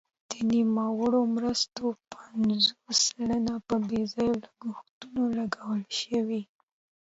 د نوموړو مرستو پنځوس سلنه په بې ځایه لګښتونو لګول شوي.